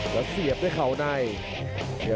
แล้วเสียบด้วยเขาใน